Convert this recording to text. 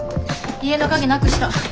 家の鍵なくした。